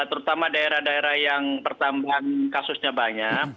terutama daerah daerah yang pertambahan kasusnya banyak